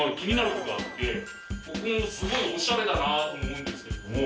ここもすごいオシャレだなと思うんですけども。